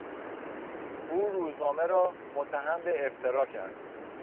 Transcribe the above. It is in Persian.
او روزنامه را متهم به افترا کرد.